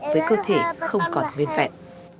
với cơ thể không còn nguyên vẹn